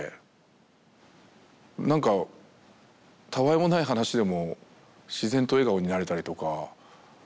なんかたわいもない話でも自然と笑顔になれたりとか。